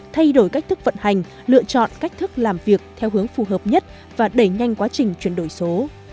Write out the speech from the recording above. thay đổi cách thức vận hành lựa chọn cách thức làm việc theo hướng phù hợp nhất và đẩy nhanh quá trình chuyển đổi số